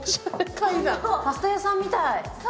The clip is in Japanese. パスタ屋さんみたい！